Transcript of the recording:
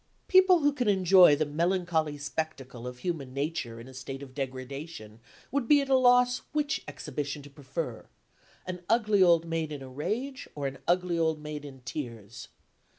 People who can enjoy the melancholy spectacle of human nature in a state of degradation would be at a loss which exhibition to prefer an ugly old maid in a rage, or an ugly old maid in tears.